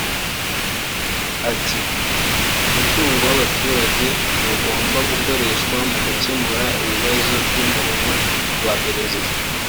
ati “umutungo w’abaturage ntugomba gukoreshwa mu gukemura ibibazo by’urugo rwa Perezida